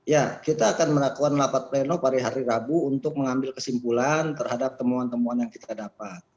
ya kita akan melakukan rapat pleno pada hari rabu untuk mengambil kesimpulan terhadap temuan temuan yang kita dapat